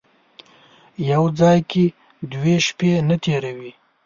یو ځای کې دوې شپې نه تېروي.